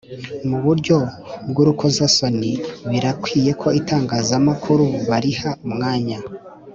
muburyo bw’urukozasoni, Birakwiye ko itangazamakuru bariha umwanya